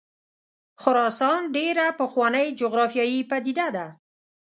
خراسان ډېره پخوانۍ جغرافیایي پدیده ده.